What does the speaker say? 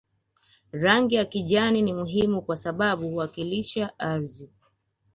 Rangi ya kijani ni muhimu kwa sababu huwakilisha ardhi